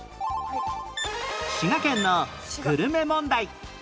滋賀県のグルメ問題